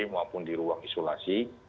maupun di ruang isolasi